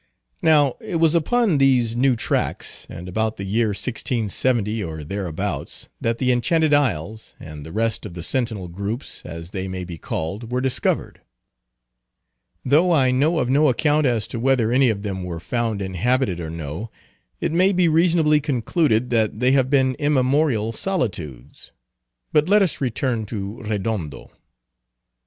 Now it was upon these new tracks, and about the year 1670, or thereabouts, that the Enchanted Isles, and the rest of the sentinel groups, as they may be called, were discovered. Though I know of no account as to whether any of them were found inhabited or no, it may be reasonably concluded that they have been immemorial solitudes. But let us return to Redondo.